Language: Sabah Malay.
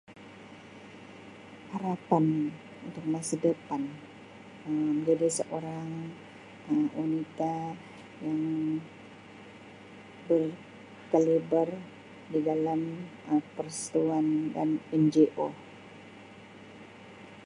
Harapan untuk masa depan Um jadi seorang wa-wanita yang berkaliber di dalam persatuan NGO